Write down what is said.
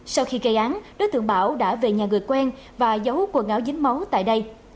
sau khi gây án đối tượng bảo đã về nhà người quen và giấu quần áo dính máu tại đây